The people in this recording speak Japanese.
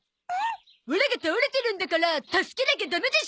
オラが倒れてるんだから助けなきゃダメでしょう？